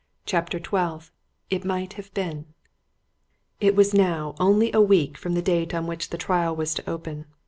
CHAPTER XII IT MIGHT HAVE BEEN It was now only a week from the date on which the trial was to open.